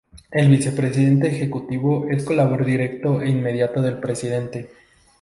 El Vicepresidente Ejecutivo es colaborador directo e inmediato del Presidente.